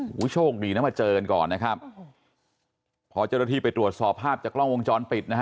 โอ้โหโชคดีนะมาเจอกันก่อนนะครับพอเจ้าหน้าที่ไปตรวจสอบภาพจากกล้องวงจรปิดนะฮะ